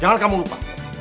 jangan kamu lupa